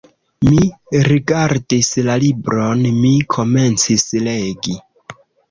Mi rigardis la libron, mi komencis legi.